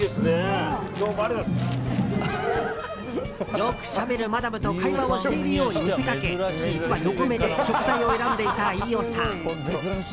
よくしゃべるマダムと会話をしているように見せかけ実は横目で食材を選んでいた飯尾さん。